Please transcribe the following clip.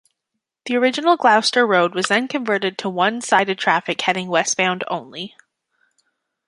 The original Gloucester Road was then converted to one sided traffic heading westbound only.